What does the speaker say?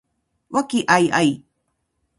和気藹々